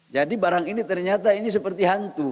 jadi barang ini ternyata ini seperti hantu